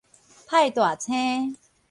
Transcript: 派大星